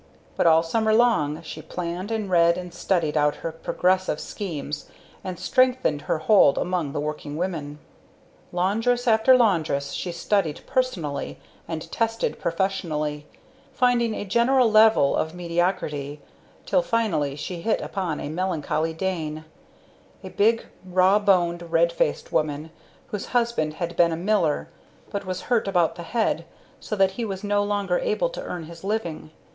But all summer long she planned and read and studied out her progressive schemes, and strengthened her hold among the working women. Laundress after laundress she studied personally and tested professionally, finding a general level of mediocrity, till finally she hit upon a melancholy Dane a big rawboned red faced woman whose husband had been a miller, but was hurt about the head so that he was no longer able to earn his living.